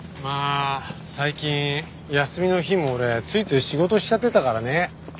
まあ最近休みの日も俺ついつい仕事しちゃってたからね。